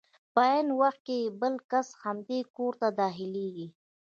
په عین وخت کې بل کس همدې کور ته داخلېږي.